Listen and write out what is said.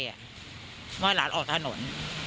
เพราะว่าหลานออกถนน